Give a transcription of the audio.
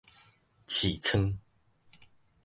嗤噌